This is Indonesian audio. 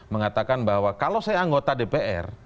mengatakan bahwa kalau saya anggota dpr